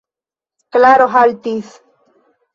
Klaro haltis.